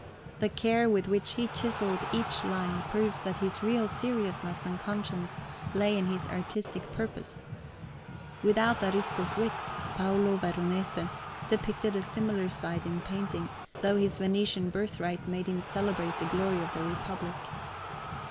The care with which he chiselled each line proves that his real seriousness and conscience lay in his artistic purpose. Without Ariosto's wit, Paolo Veronese depicted a similar side in painting, though his Venetian birthright made him celebrate the glory of the Republic.